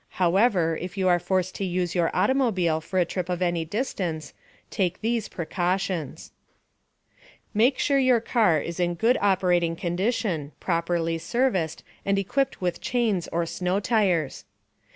However, if you are forced to use your automobile for a trip of any distance, take these precautions: Make sure your car is in good operating condition, properly serviced, and equipped with chains or snow tires.